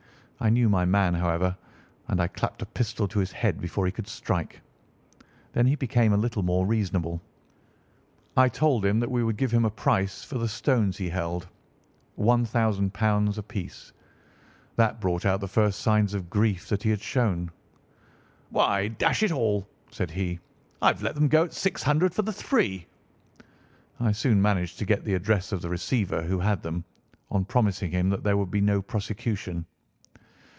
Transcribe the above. I knew my man, however, and I clapped a pistol to his head before he could strike. Then he became a little more reasonable. I told him that we would give him a price for the stones he held—£ 1000 apiece. That brought out the first signs of grief that he had shown. 'Why, dash it all!' said he, 'I've let them go at six hundred for the three!' I soon managed to get the address of the receiver who had them, on promising him that there would be no prosecution.